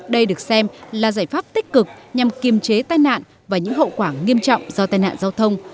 đây được xem là giải pháp tích cực nhằm kiềm chế tai nạn và những hậu quả nghiêm trọng do tai nạn giao thông